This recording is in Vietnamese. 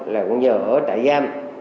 là cũng nhờ ở trại giam